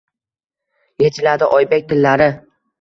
Yechiladi Oybek tillari